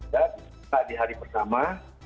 dan pada hari pertama